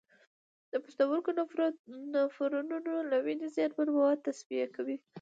د پښتورګو نفرونونه د وینې زیانمن مواد تصفیه کوي.